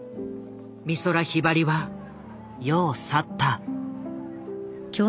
美空ひばりは世を去った。